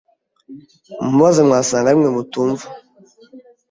Mumubaze wasanga arimwe mutumva